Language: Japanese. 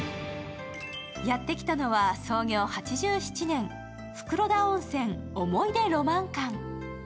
やってきたのは、創業８７年、袋田温泉思い出浪漫館。